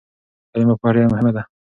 تعلیم او پوهه ډیره مهمه ده.